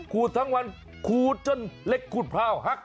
ทั้งวันขูดจนเล็กขูดพร้าวหัก